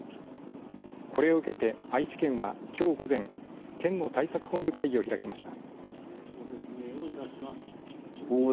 これを受けて、愛知県はきょう午前県の対策本部会議を開きました。